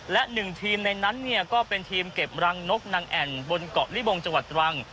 และหนึ่งทีมในนั้นเนี่ยก็เป็นทีมเก็บรังนกนางแอ่นบนเกาะลิบงจังหวัดตรัง